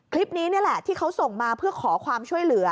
คลิปนี้นี่แหละที่เขาส่งมาเพื่อขอความช่วยเหลือ